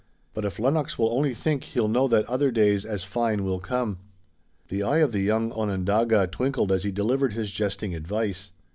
But if Lennox will only think he'll know that other days as fine will come." The eye of the young Onondaga twinkled as he delivered his jesting advice.